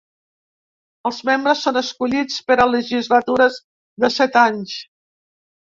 Els membres són escollits per a legislatures de set anys.